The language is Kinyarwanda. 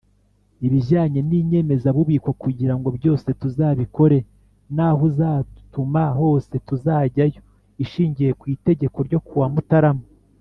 ibijyanye n inyemezabubiko kugira ngo byose tuzabikore n aho uzadutuma hose tuzajyayo Ishingiye ku Itegeko ryo kuwa mutarama